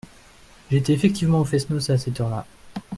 J’étais effectivement au fest-noz à cette heure-là.